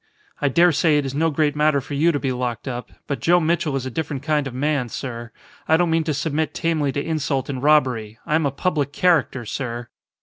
I dare say it is no great matter for you to be locked up. But Joe Mitchell is a different kind of man, sir. I don't mean to submit tamely to insult and robbery. I am a public character, sir."